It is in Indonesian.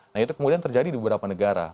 nah itu kemudian terjadi di beberapa negara